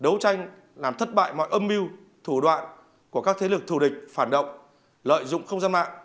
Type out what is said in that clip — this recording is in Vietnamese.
đấu tranh làm thất bại mọi âm mưu thủ đoạn của các thế lực thù địch phản động lợi dụng không gian mạng